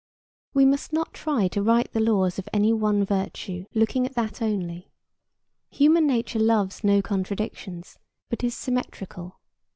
We must not try to write the laws of any one virtue, looking at that only. Human nature loves no contradictions, but is symmetrical.